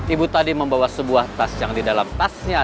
ibu tadi membawa sebuah tas yang di dalam tasnya